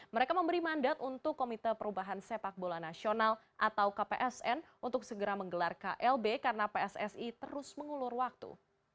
mereka memberi mandat untuk komite perubahan sepak bola nasional atau kpsn untuk segera menggelar klb karena pssi terus mengulur waktu